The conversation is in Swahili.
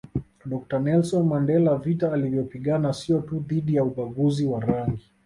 Dr Nelson Mandela vita alivyopigana sio tu dhidi ya ubaguzi wa rangi